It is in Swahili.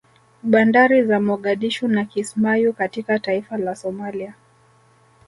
Bandari za Mogadishu na Kismayu katika taifa la Somalia